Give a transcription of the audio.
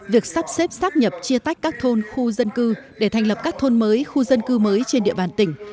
việc sắp xếp sắp nhập chia tách các thôn khu dân cư để thành lập các thôn mới khu dân cư mới trên địa bàn tỉnh